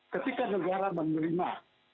ketika negara menerima